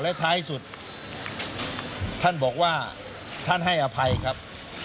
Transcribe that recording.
และท้ายสุดท่านบอกว่าท่านให้อภัยครับ